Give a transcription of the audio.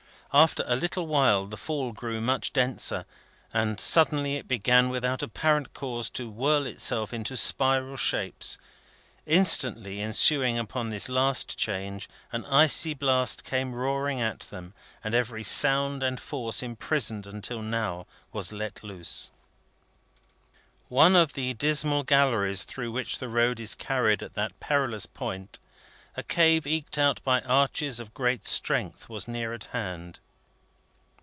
After a little while the fall grew much denser, and suddenly it began without apparent cause to whirl itself into spiral shapes. Instantly ensuing upon this last change, an icy blast came roaring at them, and every sound and force imprisoned until now was let loose. One of the dismal galleries through which the road is carried at that perilous point, a cave eked out by arches of great strength, was near at hand.